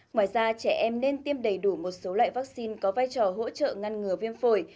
ngoài ra trẻ em nên tiêm đầy đủ một số loại vaccine có vai trò hỗ trợ ngăn ngừa viêm phổi